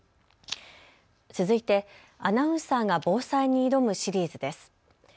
続いてアナウンサーが防災に挑むシリーズです。